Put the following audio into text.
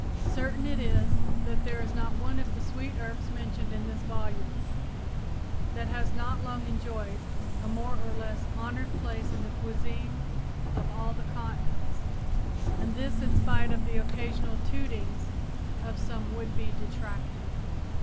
Certain it is that there is not one of the sweet herbs mentioned in this volumes that has not long enjoyed a more or less honored place in the cuisine of all the continents, and this in spite of the occasional tootings of some would be detractor.